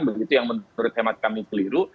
begitu yang menurut hemat kami keliru